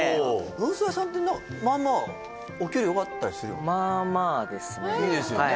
運送屋さんってまあまあお給料よかったりするよねまあまあですねはいいいですよね